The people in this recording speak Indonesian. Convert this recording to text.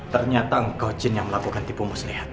ternyata engkau chin yang melakukan tipu muslihat